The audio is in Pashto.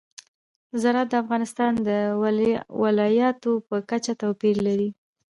زراعت د افغانستان د ولایاتو په کچه توپیر لري.